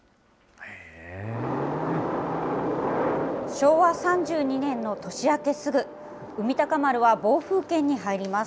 昭和３２年の年明けすぐ、海鷹丸は暴風圏に入ります。